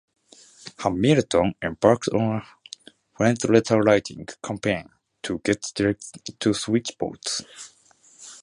Hamilton embarked on a frenzied letter-writing campaign to get delegates to switch votes.